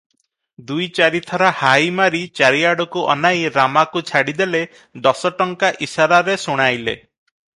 ଦୁଇ ଚାରିଥର ହାଇ ମାରି ଚାରିଆଡକୁ ଅନାଇ ରାମାକୁ ଛାଡିଦେଲେ ଦଶଟଙ୍କା ଇଶାରାରେ ଶୁଣାଇଲେ ।